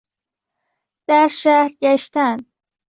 در شهر گشتن